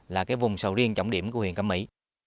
là cái vùng sầu riêng trọng điểm của huyện cẩm mỹ